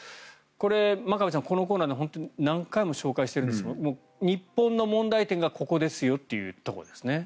これ、真壁さん、このコーナーで何回も紹介しているんですが日本の問題点がここですよというところですね。